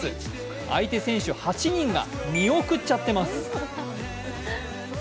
相手選手８人が見送っちゃってます